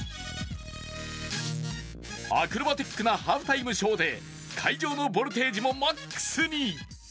アクロバティックなハーフタイムショーで会場のボルテージもマックスに。